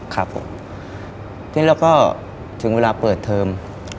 ทีนี้เราก็ถึงเวลาเปิดเทิม